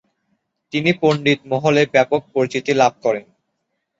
তিনি পণ্ডিত মহলে ব্যাপক পরিচিতি লাভ করেন।